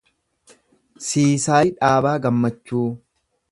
Siisaay Dhaabaa Gammachuu